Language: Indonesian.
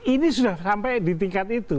ini sudah sampai di tingkat itu